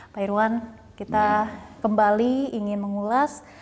pak irwan kita kembali ingin mengulas